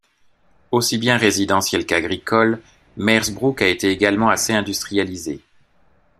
Aussi bien résidentiel qu'agricole, Meersbrook a été également assez industrialisé.